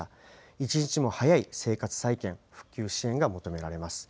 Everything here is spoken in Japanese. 一日も早い生活再建、復旧支援が求められます。